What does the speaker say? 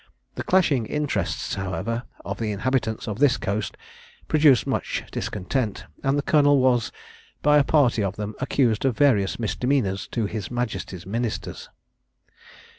The clashing interests, however, of the inhabitants of this coast produced much discontent, and the colonel was, by a party of them, accused of various misdemeanours to his majesty's ministers.